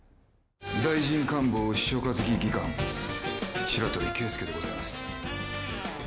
「大臣官房秘書課付技官白鳥圭輔でございます」